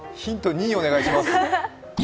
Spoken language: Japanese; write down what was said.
２お願いします。